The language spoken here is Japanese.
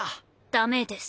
ダメです。